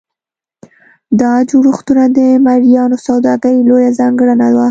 دا جوړښتونه د مریانو سوداګري لویه ځانګړنه وه.